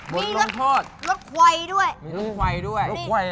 มีลูกหวัยด้วย